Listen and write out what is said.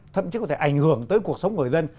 thậm chí có thể ảnh hưởng tới cuộc sống người dân